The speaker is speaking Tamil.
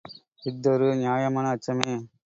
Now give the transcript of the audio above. இஃதொரு நியாயமான அச்சமே.